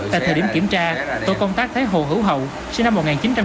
tại thời điểm kiểm tra tổ công tác thái hồ hữu hậu sinh năm một nghìn chín trăm chín mươi bảy